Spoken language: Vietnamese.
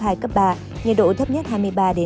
nhiệt độ thấp nhất hai mươi ba hai mươi sáu độ